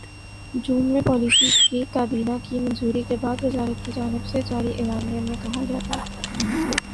جون میں پالیسی کی کابینہ کی منظوری کے بعد وزارت کی جانب سے جاری اعلامیے میں کہا گیا تھا